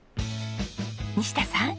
西田さん